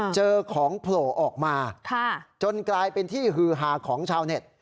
เจอของโผล่ออกมาจนกลายเป็นที่ฮือฮาของชาวเน็ต